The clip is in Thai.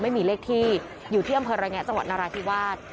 ไม่มีเลขที่อยู่ที่อำเภอระแงะจังหวัดนราธิวาส